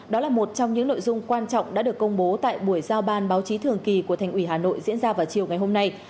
đó là một trong những nội dung quan trọng đã được công bố tại buổi giao ban báo chí thường kỳ của thành ủy hà nội diễn ra vào chiều ngày hôm nay